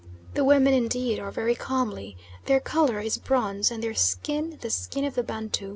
The women indeed are very comely: their colour is bronze and their skin the skin of the Bantu.